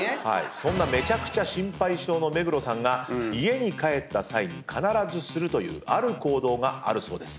そんなめちゃくちゃ心配性の目黒さんが家に帰った際に必ずするというある行動があるそうです。